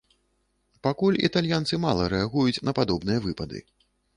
Пакуль італьянцы мала рэагуюць на падобныя выпады.